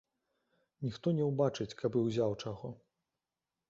Ніхто не ўбачыць, каб і ўзяў чаго.